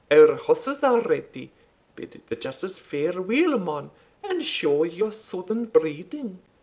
Our horses are ready. Bid the Justice fareweel, man, and show your Southern breeding."